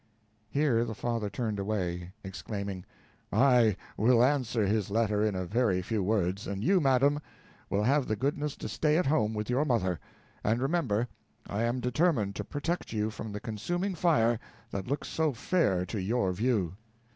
Here the father turned away, exclaiming: "I will answer his letter in a very few words, and you, madam, will have the goodness to stay at home with your mother; and remember, I am determined to protect you from the consuming fire that looks so fair to your view."